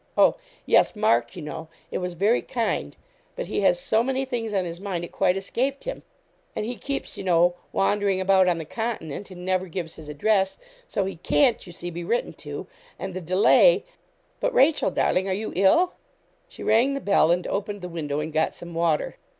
oh, yes Mark, you know it was very kind, but he has so many things on his mind it quite escaped him and he keeps, you know, wandering about on the Continent, and never gives his address; so he, can't, you see, be written to; and the delay but, Rachel, darling, are you ill?' She rang the bell, and opened the window, and got some water.